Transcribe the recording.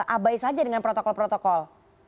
abai saja dengan protokol protokol